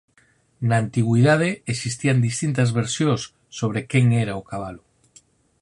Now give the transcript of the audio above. Na antigüidade existían distintas versións sobre quen era o cabalo.